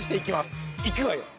いくわよ。